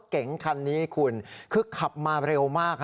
เก๋งคันนี้คุณคือขับมาเร็วมาก